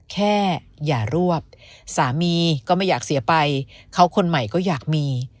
แค่อย่ารวบสามีก็ไม่อยากเสียไปเขาคนใหม่ก็อยากมี